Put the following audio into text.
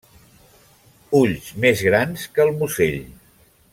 Ulls més grans que el musell.